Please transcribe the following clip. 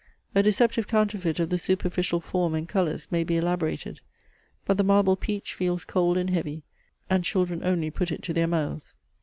A deceptive counterfeit of the superficial form and colours may be elaborated; but the marble peach feels cold and heavy, and children only put it to their mouths.